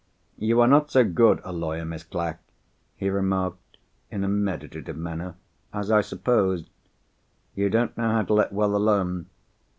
"You are not so good a lawyer, Miss Clack," he remarked in a meditative manner, "as I supposed. You don't know how to let well alone."